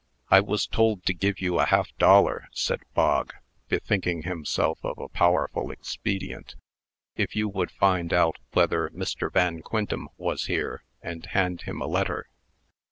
"I was told to give you a half dollar," said Bog, bethinking himself of a powerful expedient, "if you would find out whether Mr. Van Quintem was here, and hand him a letter."